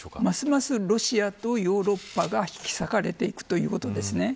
ますますロシアとヨーロッパが引き裂かれていくということです。